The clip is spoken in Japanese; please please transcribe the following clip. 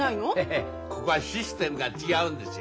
ヘヘここはシステムが違うんですよ。